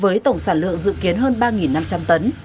với tổng sản lượng dự kiến hơn ba năm trăm linh tấn